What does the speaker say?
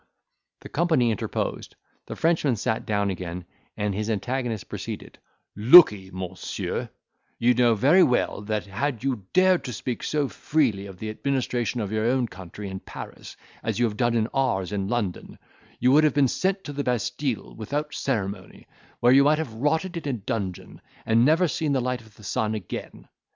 The company interposed, the Frenchman sat down again, and his antagonist proceeded—"Lookey, Monsieur, you know very well that had you dared to speak so freely of the administration of your own country in Paris as you have done of ours in London, you would have been sent to the Bastille without ceremony, where you might have rotted in a dungeon, and never seen the light of the sun again.